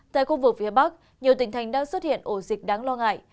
tại khu vực phía bắc nhiều tỉnh thành đang xuất hiện ổ dịch đáng lo ngại